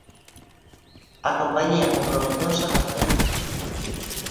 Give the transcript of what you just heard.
A compañía comprometeuse a facelo.